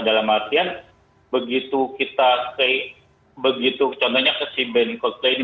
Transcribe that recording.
dalam artian begitu kita contohnya si band coldplay ini